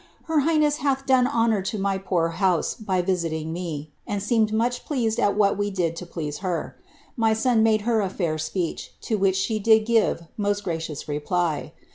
Her highness hath mt hoiKHir to my poor house by visiting me, and seemed much pleased . wlwl we did to please her. My son made her a fiur speech, to which le did give most gracious reply.